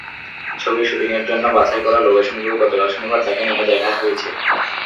ছবির শুটিংয়ের জন্য বাছাই করা লোকেশনগুলো গতকাল শনিবার তাঁকে নিয়ে দেখা হয়েছে।